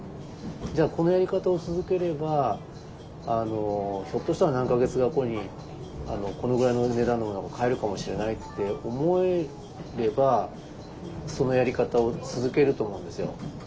じゃあこのやり方を続ければひょっとしたら何か月か後にこのぐらいの値段のものが買えるかもしれないって思えればそのやり方を続けると思うんですよ。